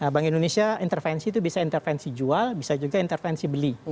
bank indonesia intervensi itu bisa intervensi jual bisa juga intervensi beli